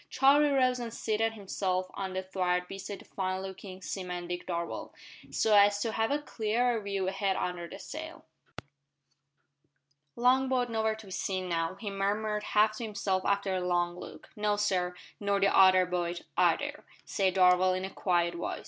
Charlie rose and seated himself on the thwart beside the fine looking seaman Dick Darvall, so as to have a clearer view ahead under the sail. "Long boat nowhere to be seen now," he murmured half to himself after a long look. "No, sir nor the other boat either," said Darvall in a quiet voice.